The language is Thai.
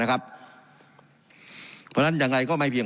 การปรับปรุงทางพื้นฐานสนามบิน